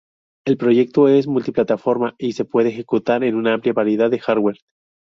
El proyecto es multiplataforma, y se puede ejecutar en una amplia variedad de hardware.